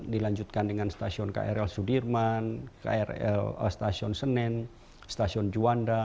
dilanjutkan dengan stasiun krl sudirman krl stasiun senen stasiun juanda